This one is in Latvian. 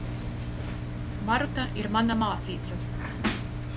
Maruta ir mana māsīca.